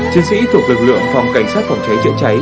chiến sĩ thuộc lực lượng phòng cảnh sát phòng cháy chữa cháy